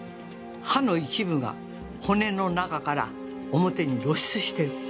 歯の一部が骨の中から表に露出してる。